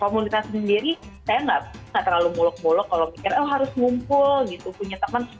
komunitas sendiri saya tidak terlalu muluk muluk kalau mikir harus ngumpul gitu